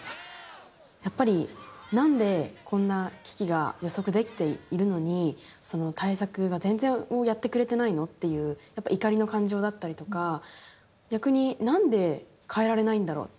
やっぱり何でこんな危機が予測できているのにその対策が全然やってくれてないの？というやっぱ怒りの感情だったりとか逆に何で変えられないんだろう？